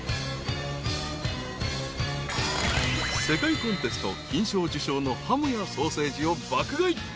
［世界コンテスト金賞受賞のハムやソーセージを爆買い］